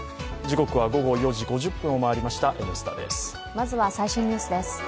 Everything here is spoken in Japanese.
まずは最新ニュースです。